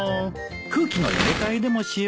空気の入れ替えでもしよう。